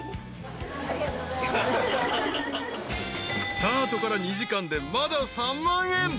［スタートから２時間でまだ３万円］